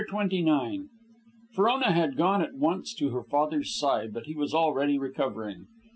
CHAPTER XXIX Frona had gone at once to her father's side, but he was already recovering.